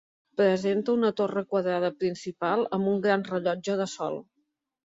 Presenta una torre quadrada principal amb un gran rellotge de sol.